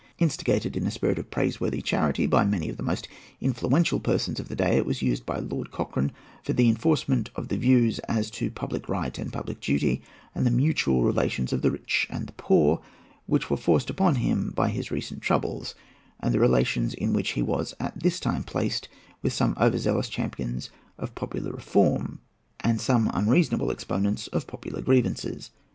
Instigated in a spirit of praiseworthy charity by many of the most influential persons of the day, it was used by Lord Cochrane for the enforcement of the views as to public right and public duty, and the mutual relations of the rich and the poor, which were forced upon him by his recent troubles, and the relations in which he was at this time placed with some over zealous champions of popular reform, and some unreasonable exponents of popular grievances.